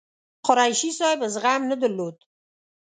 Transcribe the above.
قریشي صاحب زغم نه درلود.